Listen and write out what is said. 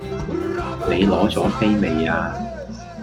你攞左飛未呀？